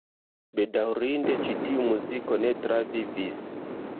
Bedaŭrinde ĉi tiu muziko ne travivis.